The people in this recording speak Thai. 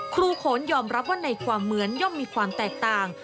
โขนยอมรับว่าในความเหมือนย่อมมีความแตกต่าง